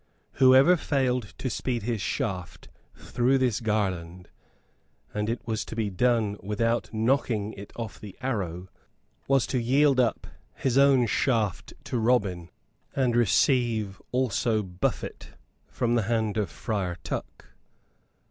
Whoever failed to speed his shaft through this garland and it was to be done without knocking it off the arrow was to yield up his own shaft to Robin, and receive also buffet from the hand of Friar Tuck.